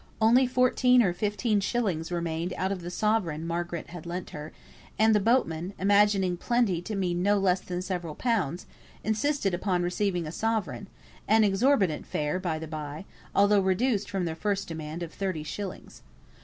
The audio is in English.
Only fourteen or fifteen shillings remained out of the sovereign Margaret had lent her, and the boatmen, imagining "plenty" to mean no less than several pounds, insisted upon receiving a sovereign (an exorbitant fare, by the bye, although reduced from their first demand of thirty shillings).